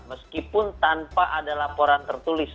meskipun tanpa ada laporan tertulis